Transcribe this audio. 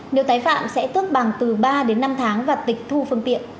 nếu tái phạm sẽ tước bằng từ ba đến năm tháng và tịch thu phương tiện